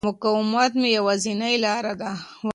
مقاومت مې یوازینۍ لاره وه.